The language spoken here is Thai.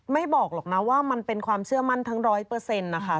บอกหรอกนะว่ามันเป็นความเชื่อมั่นทั้ง๑๐๐นะคะ